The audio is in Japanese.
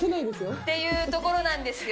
っていうところなんですよ。